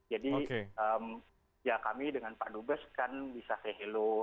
jadi ya kami dengan pak dubes kan bisa say hello